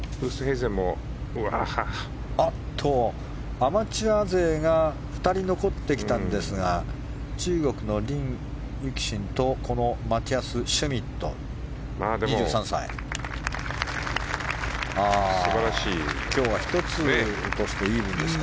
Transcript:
アマチュア勢が２人、残ってきたんですが中国のリン・ユキシンとこのマティアス・シュミットが今日は１つ落としてイーブンですか。